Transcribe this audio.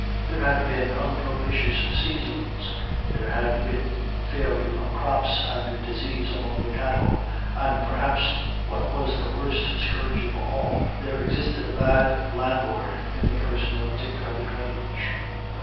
There had been unpropitious seasons; there had been failure of crops and disease among the cattle and, perhaps what was the worst scourge of all, there existed a bad landlord in the person of Dick o' the Grange.